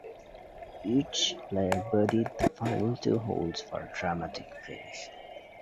Each player birdied the final two holes for a dramatic finish.